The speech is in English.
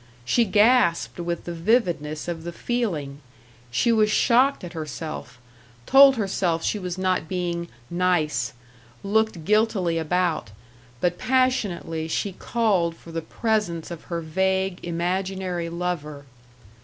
She gasped with the vividness of the feeling. She was shocked at herself; told herself she was not being "nice"; looked guiltily about; but passionately she called for the presence of her vague, imaginary lover.